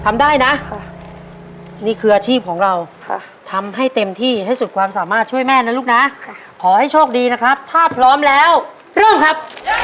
ทำได้นะนี่คืออาชีพของเราทำให้เต็มที่ให้สุดความสามารถช่วยแม่นะลูกนะขอให้โชคดีนะครับถ้าพร้อมแล้วเริ่มครับ